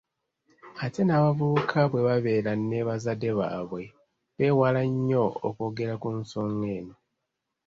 Ate n’abavubuka bwe babeera ne bazadde baabwe beewala nnyo okwogera ku nsonga eno.